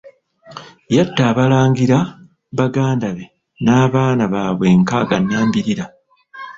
Yatta abalangira baganda be n'abaana baabwe nkaaga nnambirira.